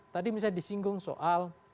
tadi misalnya disinggung soal